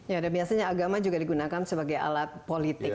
ya dan biasanya agama juga digunakan sebagai alat politik